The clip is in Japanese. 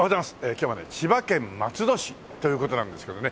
今日はね千葉県松戸市という事なんですけどね。